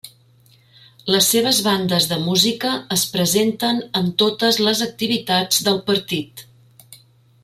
Les seves bandes de música es presenten en totes les activitats del partit.